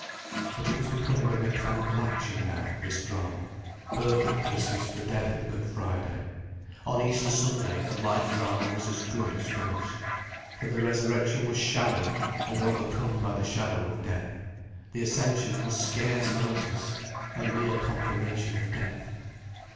But it was becoming a mechanical action now, this drama: birth at Christmas for death at Good Friday. On Easter Sunday the life drama was as good as finished. For the Resurrection was shadowy and overcome by the shadow of death, the Ascension was scarce noticed, a mere confirmation of death.